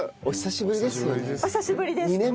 お久しぶりです。